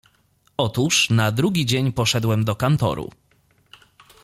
"Otóż, na drugi dzień poszedłem do kantoru."